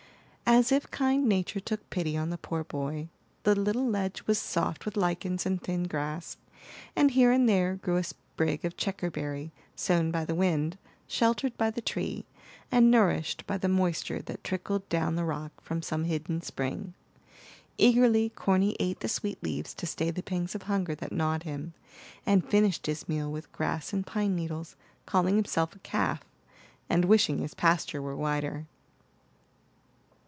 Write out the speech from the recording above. As if kind Nature took pity on the poor boy, the little ledge was soft with lichens and thin grass, and here and there grew a sprig of checkerberry, sown by the wind, sheltered by the tree, and nourished by the moisture that trickled down the rock from some hidden spring. Eagerly Corny ate the sweet leaves to stay the pangs of hunger that gnawed him, and finished his meal with grass and pine needles, calling himself a calf, and wishing his pasture were wider.